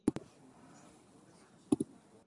據理力爭